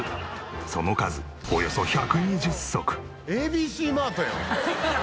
その数およそ１２０足。